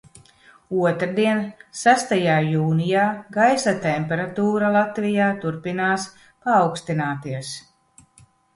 Otrdien, sestajā jūnijā, gaisa temperatūra Latvijā turpinās paaugstināties.